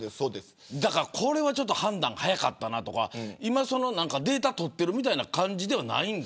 これはちょっと判断早かったなとかデータ取ってるみたいな感じではないの。